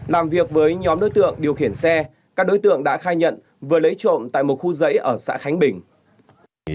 làm việc với nhóm đối tượng điều khiển xe các đối tượng đã khai nhận vừa lấy trộm tại một khu giấy ở xã khánh bình